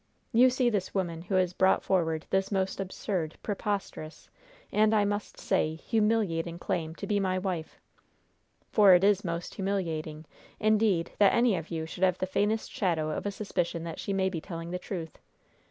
You see this woman who has brought forward this most absurd, preposterous, and, I must say, humiliating claim to be my wife. For it is most humiliating, indeed, that any of you should have the faintest shadow of a suspicion that she may be telling the truth.